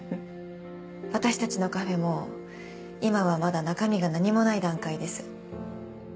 「私たちのカフェも今はまだ中身が何もない段階です」